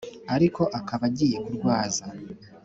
ariko akaba agiye kurwaza